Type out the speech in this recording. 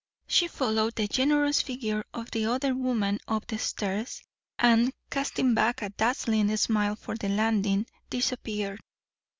She followed the generous figure of the other woman up the stair and, casting back a dazzling smile from the landing, disappeared.